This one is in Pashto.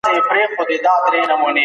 موږ د یوه نوي فکر په لور روان یو.